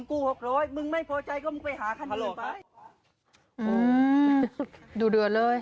อือดูเดือดเลย